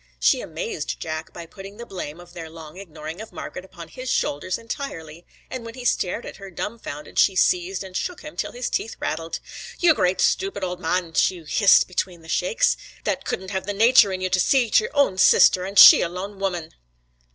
She amazed Jack by putting the blame of their long ignoring of Margret upon his shoulders entirely, and when he stared at her, dumb founded, she seized and shook him till his teeth rattled. 'You great stupid omadhaun!' she hissed between the shakes, 'that couldn't have the nature in you to see to your own sister, an' she a lone woman!'